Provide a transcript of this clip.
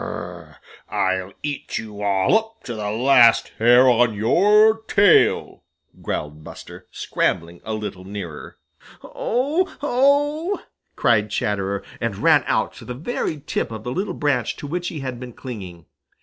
"Gr r r r! I'll eat you all up to the last hair on your tail!" growled Buster, scrambling a little nearer. "Oh! Oh!" cried Chatterer, and ran out to the very tip of the little branch to which he had been clinging.